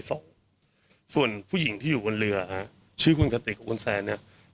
ศพส่วนผู้หญิงที่อยู่บนเรือฮะชื่อคุณกติกกับคุณแซนเนี่ย